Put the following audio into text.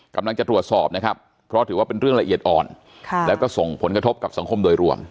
กำลังจะตรวจสอบนะครับเพราะถือว่าเป็นเรื่องละเอียดอ่อนแล้วก็ส่งผลกระทบกับสังคมโดยรวม